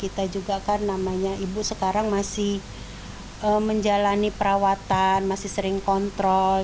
kita juga kan namanya ibu sekarang masih menjalani perawatan masih sering kontrol